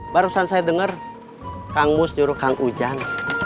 barusan saya dengar kang mus nyuruh kang ujan